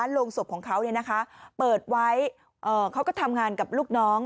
โรงศพของเขาเปิดไว้เขาก็ทำงานกับลูกน้อง